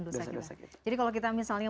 dosa kita jadi kalau kita misalnya